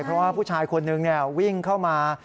เพราะว่าผู้ชายคนนึงวิ่งเข้ามา